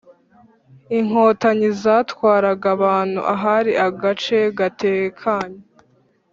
Inkotanyi zatwaraga abantu ahari agace gatekanye